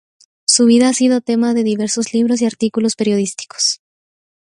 Su vida ha sido tema de diversos libros y artículos periodísticos.